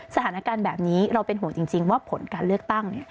สถานการณ์แบบนี้เราเป็นห่วงจริงว่าผลการเลือกตั้ง